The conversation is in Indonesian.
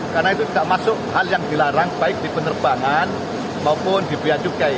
karena itu tidak masuk hal yang dilarang baik di penerbangan maupun di biaya jukai